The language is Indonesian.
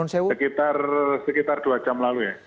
sekitar dua jam lalu ya